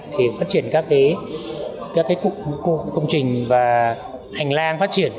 thì phát triển các cái cục công trình và hành lang phát triển